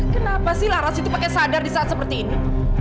kenapa sih laras itu pakai sadar di saat seperti ini